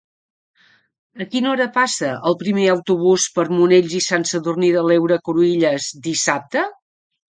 A quina hora passa el primer autobús per Monells i Sant Sadurní de l'Heura Cruïlles dissabte?